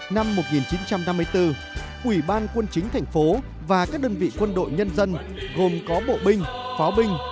năm một nghìn chín trăm năm mươi bốn ủy ban quân chính thành phố và các đơn vị quân đội nhân dân gồm có bộ binh pháo binh